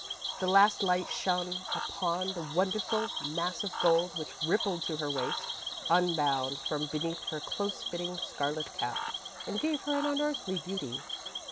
_ _The last light shone upon the wonderful mass of gold which rippled to her waist, unbound, from beneath her close fitting scarlet cap, and gave her an unearthly beauty.